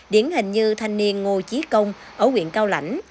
điển hình như thanh niên ngô chí công ở huyện cao lãnh